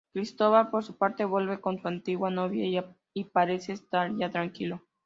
Cristóbal, por su parte, vuelve con su antigua novia y parece estar ya tranquilo.